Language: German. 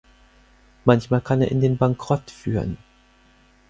Manchmal kann er in den Bankrott führen.